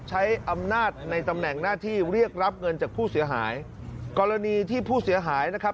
ใช้อำนาจในตำแหน่งหน้าที่เรียกรับเงินจากผู้เสียหายกรณีที่ผู้เสียหายนะครับ